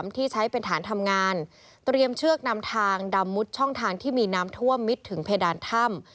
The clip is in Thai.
ที่ใช้เป็นฐานทำงานเตรียมเชือกนำทางดำมุดช่องทางที่มีน้ำท่วมมิดถึงเพดานถ้ำ